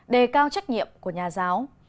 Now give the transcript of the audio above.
đề cao trách nhiệm của nhà giáo